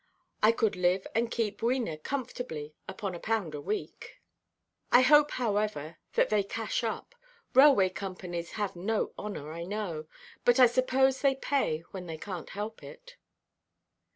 I could live and keep Wena comfortably upon a pound a week. I hope, however, that they cash up. Railway companies have no honour, I know; but I suppose they pay when they canʼt help it."